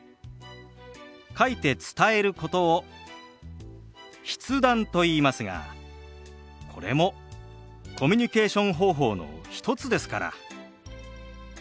書いて伝えることを「筆談」といいますがこれもコミュニケーション方法の一つですから。